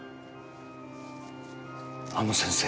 あの先生？